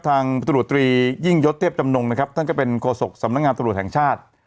พลตรวจตรียิ่งยศเทพจำนงนะครับท่านก็เป็นโฆษกสำนักงานตำรวจแห่งชาติ